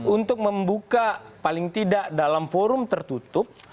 untuk membuka paling tidak dalam forum tertutup